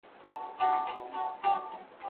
خلک به بند ته ولاړ شي.